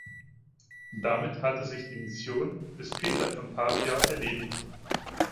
Damit hatte sich die Mission des Peter von Pavia erledigt.